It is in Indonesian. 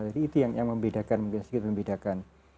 jadi itu yang membedakan mungkin sedikit membedakan